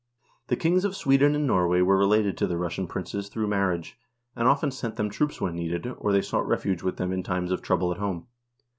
The kings of Sweden and Norway were related to the Russian princes through marriage, and often sent them troops when needed, or they sought refuge with them in times of trouble at home.